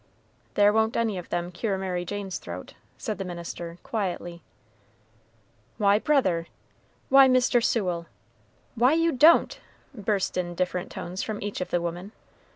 "There won't any of them cure Mary Jane's throat," said the minister, quietly. "Why, brother!" "Why, Mr. Sewell!" "Why, you don't!" burst in different tones from each of the women.